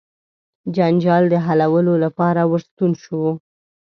جنجال د حلولو لپاره ورستون سو.